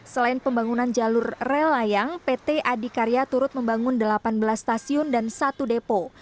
selain pembangunan jalur rel layang pt adikarya turut membangun delapan belas stasiun dan satu depo